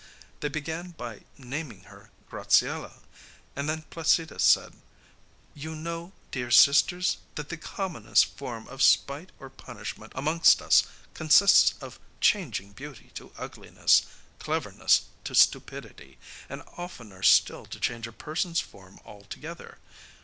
They began by naming her Graziella, and then Placida said: 'You know, dear sisters, that the commonest form of spite or punishment amongst us consists of changing beauty to ugliness, cleverness to stupidity, and oftener still to change a person's form altogether.